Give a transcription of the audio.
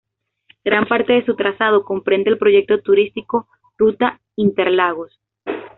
Gran parte de su trazado comprende el Proyecto Turístico "Ruta Interlagos".